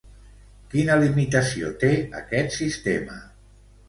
Quina limitació té aquest sistema?